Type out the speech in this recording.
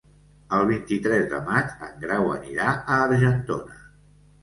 El vint-i-tres de maig en Grau anirà a Argentona.